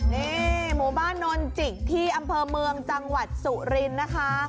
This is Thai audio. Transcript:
นี่หมู่บ้านนนจิกที่อำเภอเมืองจังหวัดสุรินทร์นะคะ